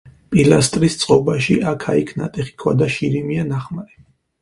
პილასტრის წყობაში აქა-იქ ნატეხი ქვა და შირიმია ნახმარი.